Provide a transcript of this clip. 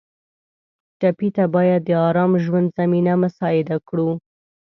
ټپي ته باید د ارام ژوند زمینه مساعده کړو.